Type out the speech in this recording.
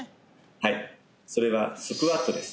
はいそれはスクワットです